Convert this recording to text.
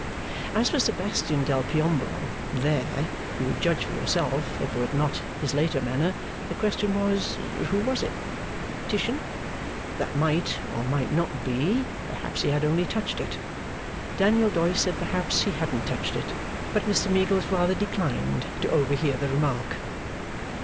As for Sebastian del Piombo there, you would judge for yourself; if it were not his later manner, the question was, Who was it? Titian, that might or might not be perhaps he had only touched it. Daniel Doyce said perhaps he hadn't touched it, but Mr Meagles rather declined to overhear the remark.